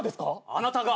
あなたが！